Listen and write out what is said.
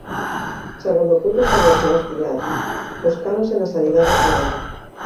Segundo puido saber Nós Diario, buscáronse na sanidade privada.